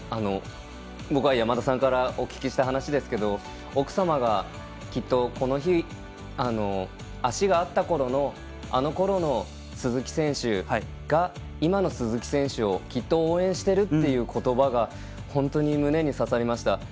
僕は山田さんからお聞きした話ですけど奥様が、きっとこの日足があったころのあのころの鈴木選手が今の鈴木選手をきっと応援しているという言葉が本当に胸に刺さりました。